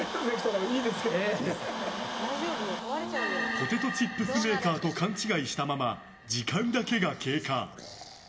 ポテトチップスメーカーと勘違いしたまま、時間だけが経過。